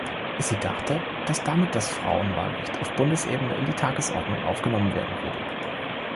Sie dachte, dass damit das Frauenwahlrecht auf Bundesebene in die Tagesordnung aufgenommen werden würde.